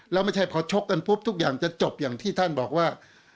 แล้วไม่ใช่พอชกกันปุ๊บทุกอย่างจะจบอย่างที่ท่านบอกว่า